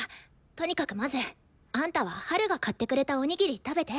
とにかくまずあんたはハルが買ってくれたおにぎり食べて。